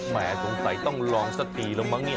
แหมสงสัยต้องลองสักทีแล้วมั้งเนี่ย